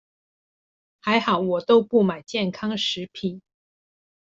還好我都不買健康食品